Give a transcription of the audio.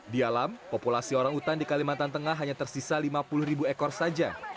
di alam populasi orang hutan di kalimantan tengah hanya tersisa lima puluh ribu ekor saja